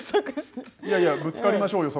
いやいやぶつかりましょうよ